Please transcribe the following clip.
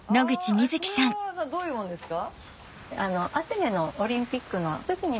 これはどういうものですか？